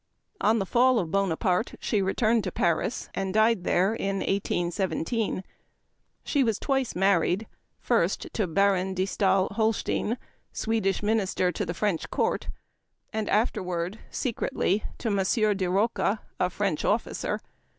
On the fall of Bona parte she returned to Pari?, and died there in 1S17. She was twice married ; first, to Baron de Stael Holstein, Swedish Minister to the French Court ; and afterward, secretly, to Iff. de Rocca, a French officer.